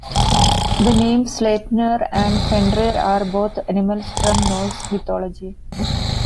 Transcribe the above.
The names Sleipnir and Fenrir are both animals from Norse mythology.